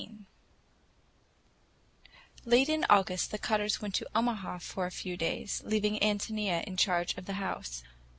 XV LATE in August the Cutters went to Omaha for a few days, leaving Ántonia in charge of the house.